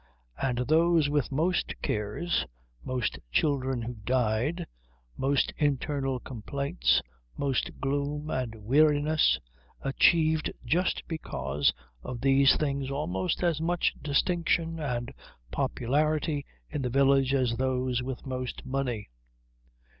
And those with most cares, most children who died, most internal complaints, most gloom and weariness, achieved just because of these things almost as much distinction and popularity in the village as those with most money.